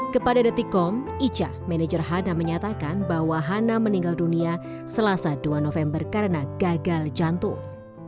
kepada detikom ica manajer hana menyatakan bahwa hana meninggal dunia selasa dua november karena gagal jantung